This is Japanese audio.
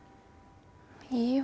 いいよ